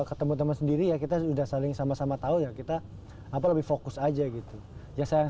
ketemu teman sendiri ya kita udah saling sama sama tahu ya kita apa lebih fokus aja gitu ya saya